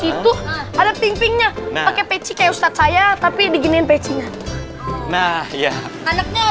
itu ada ping pingnya pakai peci kayak ustadz saya tapi diginiin pecinya nah iya anaknya